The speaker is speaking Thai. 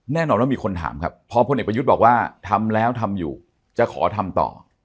แน่นอนว่ามีคนถามครับพอพลเอกประยุทธ์บอกว่าทำแล้วทำอยู่จะขอทำต่อ